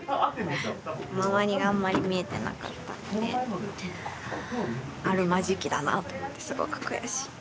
周りがあんまり見えてなかったんであるまじきだなと思ってすごく悔しい。